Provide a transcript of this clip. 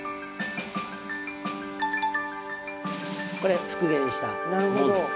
これ復元したものですよ。